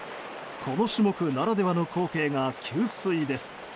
この種目ならではの光景が給水です。